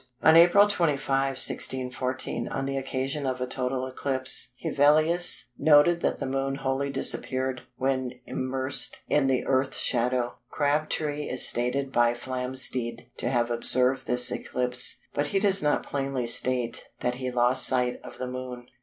On April 25, 1642, on the occasion of a total eclipse, Hevelius noted that the Moon wholly disappeared when immersed in the Earth's shadow. Crabtree is stated by Flamsteed to have observed this eclipse, but he does not plainly state that he lost sight of the Moon.